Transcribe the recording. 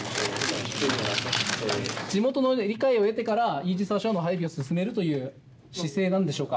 地元のね理解を得てからイージス・アショアの配備を進めるという姿勢なんでしょうか？